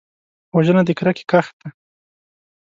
وژنه د کرکې کښت دی